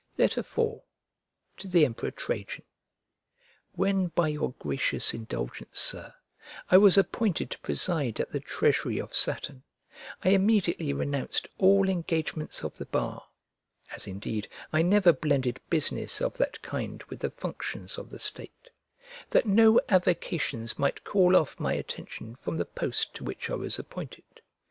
IV To THE EMPEROR TRAJAN WHEN by your gracious indulgence, Sir, I was appointed to preside at the treasury of Saturn, I immediately renounced all engagements of the bar (as indeed I never blended business of that kind with the functions of the state), that no avocations might call off my attention from the post to which I was appointed.